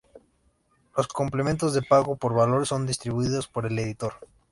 Los complementos de pago por valor son distribuidos por el editor.